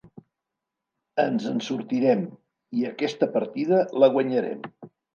Ens en sortirem, i aquesta partida la guanyarem.